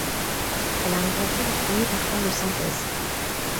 Elle a inventé les premiers parfums de synthèse.